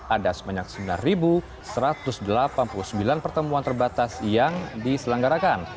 ada sebanyak sembilan satu ratus delapan puluh sembilan pertemuan terbatas yang diselenggarakan